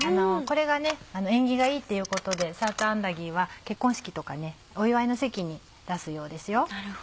これが縁起がいいっていうことでサーターアンダギーは結婚式とかねお祝いの席に出すようですよ。